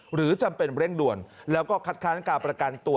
หรือจำเป็นเร่งด่วนแล้วก็คัดค้านการประกันตัว